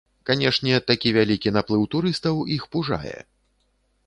Канешне, такі вялікі наплыў турыстаў іх пужае.